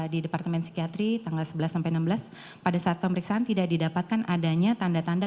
di departemen psikiatri tanggal sebelas sampai enam belas pada saat pemeriksaan tidak didapatkan adanya tanda tanda